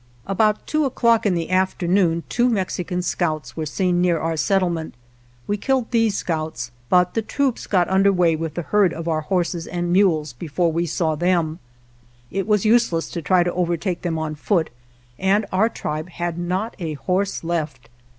About two o'clock in the afternoon two Mexican scouts were seen near our settle ment. We killed these scouts, but the troops got under way with the herd of our horses 83 GERONIMO and mules before we saw them. It was use less to try to overtake them on foot, and our tribe had not a horse left.